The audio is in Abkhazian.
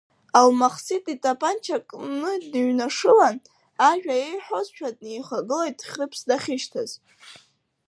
Алмахсиҭ итапанча кны длыҩнашылан, ажәа еиҳәозшәа днеихагылеит Хьрыԥс дахьышьҭаз…